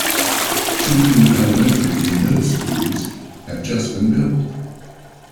Two new elementary and middle schools have just been built.